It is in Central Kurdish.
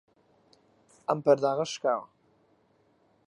ئەم پەرداخە شکاوە.